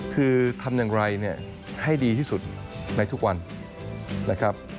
คือทำอย่างไรเนี่ยให้ดีที่สุดในทุกวันนะครับ